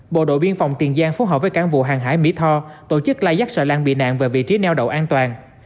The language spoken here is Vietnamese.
bộ đội biên phòng tiền giang phối hợp với cán vụ hàng hải mỹ tho tổ chức lai dắt sợ lan bị nạn về vị trí neo đậu an toàn